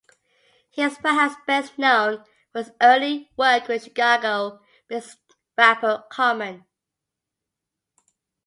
He is perhaps best known for his early work with Chicago-based rapper Common.